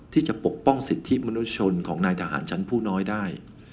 ปกป้องสิทธิมนุษยชนของนายทหารชั้นผู้น้อยได้